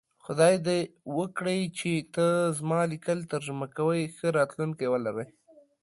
خدای دی وکړی چی ته زما لیکل ترجمه کوی ښه راتلونکی ولری